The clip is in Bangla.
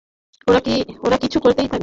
ওরা পিছু করতেই থাকবে।